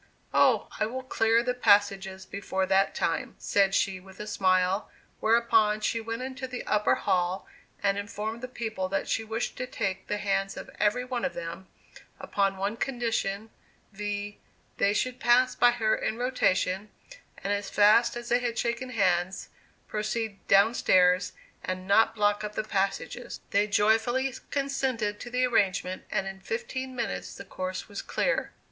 "Oh, I will clear the passages before that time," said she, with a smile; whereupon she went into the upper hall, and informed the people that she wished to take the hands of every one of them, upon one condition, viz: they should pass by her in rotation, and as fast as they had shaken hands, proceed down stairs, and not block up the passages. They joyfully consented to the arrangement, and in fifteen minutes the course was clear.